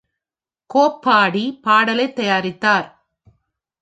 கோப் பாடி, பாடலைத் தயாரித்தார்.